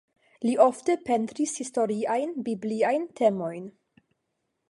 Li ofte pentris historiajn, bibliajn temojn.